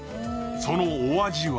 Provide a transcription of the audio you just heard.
そのお味は？